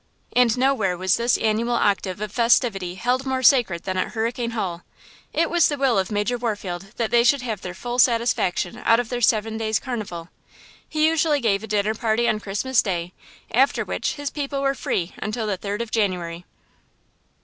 And nowhere was this annual octave of festivity held more sacred than at Hurricane Hall. It was the will of Major Warfield that they should have their full satisfaction out of their seven days' carnival. He usually gave a dinner party on Christmas day, after which his people were free until the third of January.